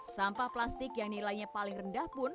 sampah plastik yang nilainya paling rendah pun